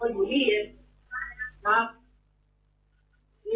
เฮียเนอะเพราะอยู่เฮีย